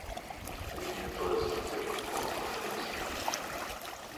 Hoy en día todas estas tierras forman parte de nuestro Municipio.